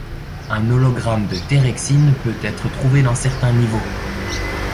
Un hologramme de Terexin peut être trouvé dans certains niveaux.